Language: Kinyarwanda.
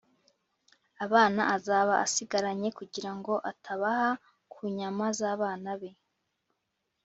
’abana azaba asigaranye, kugira ngo atabaha ku nyama z’abana be